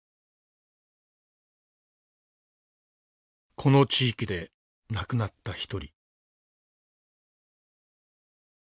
この地域で亡くなった一人。